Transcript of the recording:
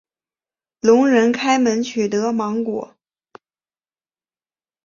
聋人开门取得芒果。